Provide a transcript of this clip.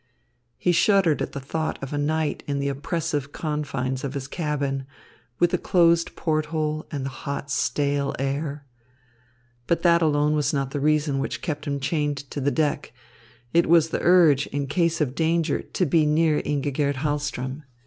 He shuddered at the thought of a night in the oppressive confines of his cabin, with the closed port hole and the hot, stale air. But that alone was not the reason which kept him chained to the deck. It was the urge, in case of danger, to be near Ingigerd Hahlström.